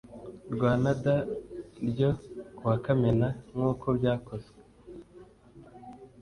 rwanada ryo kuwa kamena nk uko byakozwe